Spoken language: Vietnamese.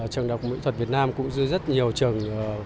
trường đại học mỹ thuật việt nam cũng giữ rất nhiều trường văn hóa nguyên liệu